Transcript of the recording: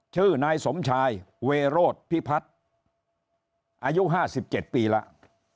ชื่อนายสมชายเวโรธพิพัฒน์อายุ๕๗ปีแล้ว